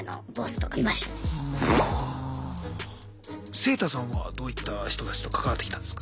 セイタさんはどういった人たちと関わってきたんですか？